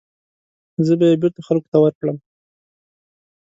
زه به یې بېرته خلکو ته ورکړم.